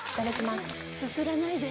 すすらないで。